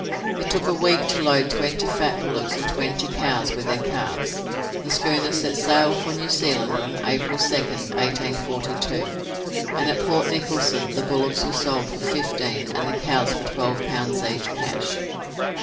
It took a week to load twenty fat bullocks and twenty cows with their calves. The schooner set sail for New Zealand on April 2nd, 1842, and at Port Nicholson the bullocks were sold for fifteen and the cows for twelve pounds each, cash.